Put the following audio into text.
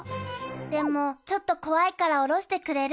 でもちょっと怖いから降ろしてくれる？